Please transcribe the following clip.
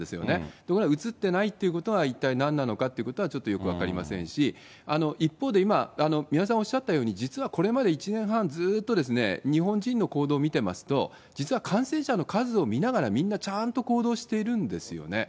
ところがうつってないということは、一体なんなのかというのはちょっとよく分かりませんし、一方で今、宮根さんおっしゃったように、実はこれまで１年半ずっと日本人の行動を見てますと、実は感染者の数を見ながら、みんなちゃんと行動しているんですよね。